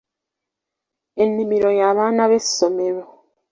Ennimiro y'abaana b'essomero